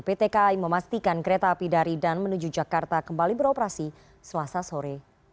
pt kai memastikan kereta api dari dan menuju jakarta kembali beroperasi selasa sore